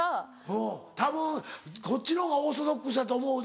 うんたぶんこっちのほうがオーソドックスやと思うど。